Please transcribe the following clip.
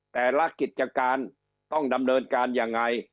แต่ละกิจการต้องดำเนินการยังไง